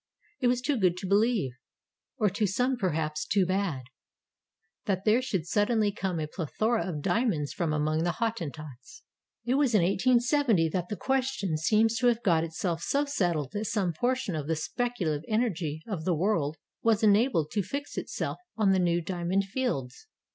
It was too good to believe, — or to some perhaps too bad, — that there should suddenly come a plethora of diamonds from among the Hottentots. It was in 1870 that the question seems to have got itself so settled that some portion of the speculative energy of the world was enabled to fix itself on the new Diamond Fields.